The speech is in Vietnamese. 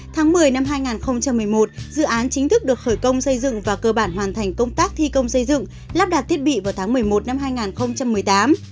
tháng một mươi năm hai nghìn một mươi một dự án chính thức được khởi công xây dựng và cơ bản hoàn thành công tác thi công xây dựng lắp đặt thiết bị vào tháng một mươi một năm hai nghìn một mươi tám